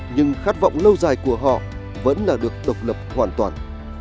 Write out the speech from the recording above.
nhưng khát vọng lâu dài của họ vẫn là được độc lập hoàn toàn